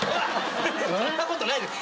そんなことないです。